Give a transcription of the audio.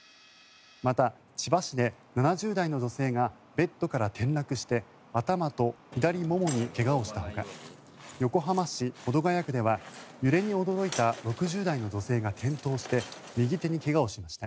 また、千葉市で７０代の女性がベッドから転落して頭と左ももに怪我をしたほか横浜市保土ケ谷区では揺れに驚いた６０代の女性が転倒して右手に怪我をしました。